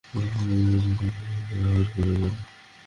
এখানেই কোথাও থাকার কথা।